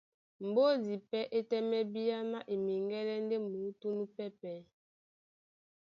Mbódi pɛ́ é tɛ́mɛ bíáná e meŋgɛ́lɛ́ ndé muútú núpɛ́pɛ̄,